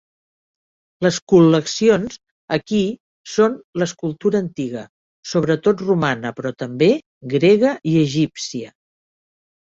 Les col·leccions aquí són l'escultura antiga, sobretot romana, però també grega i egípcia.